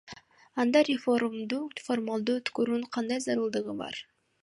Анда референдумду формалдуу өткөрүүнүн кандай зарылдыгы бар?